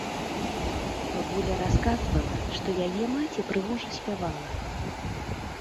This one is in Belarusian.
Бабуля расказвала, што яе маці прыгожа спявала.